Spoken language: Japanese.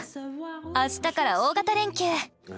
明日から大型連休！